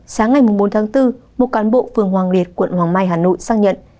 sáng ngày bốn tháng bốn một cán bộ phường hoàng liệt quận hoàng mai hà nội xác nhận